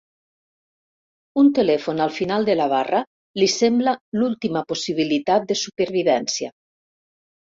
Un telèfon al final de la barra li sembla l'última possibilitat de supervivència.